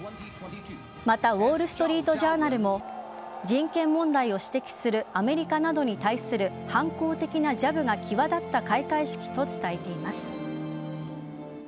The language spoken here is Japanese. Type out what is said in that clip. また、ウォール・ストリート・ジャーナルも人権問題を指摘するアメリカなどに対する反抗的なジャブが際立った開会式と伝えています。